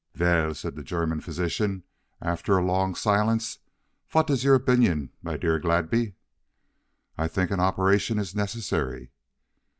"Vell," said the German physician, after a long silence, "vot is your obinion, my dear Gladby?" "I think an operation is necessary."